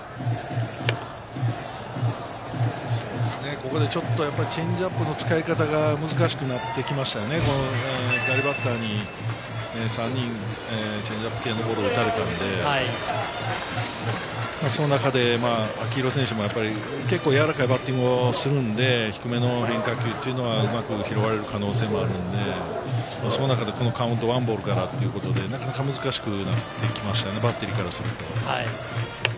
ここでちょっとチェンジアップの使い方が難しくなってきましたよね、左バッターに３人、チェンジアップ系のボールを打たれてるので、その中で秋広選手もやっぱり結構柔らかいバッティングをするので、低めの変化球というのはうまく拾われる可能性もあるので、その中でこのカウント、１ボールからということで、なかなか難しくなってきましたね、バッテリーからすると。